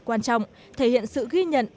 quan trọng thể hiện sự ghi nhận